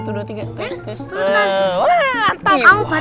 kamu bantu doa aja di belakang oke